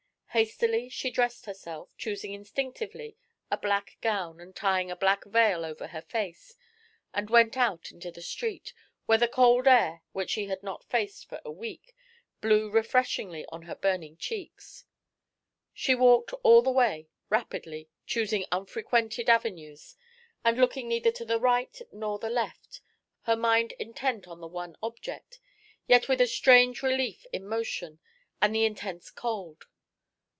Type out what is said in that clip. Hastily, she dressed herself, choosing instinctively a black gown and tying a black veil over her face, and went out into the street, where the cold air, which she had not faced for a week, blew refreshingly on her burning cheeks. She walked all the way, rapidly, choosing unfrequented avenues, and looking neither to the right nor the left, her mind intent on the one object, yet with a strange relief in motion and the intense cold.